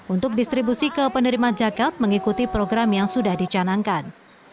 untuk distribusi ke penerimaan zakat mengikuti program yang sudah dicanangkan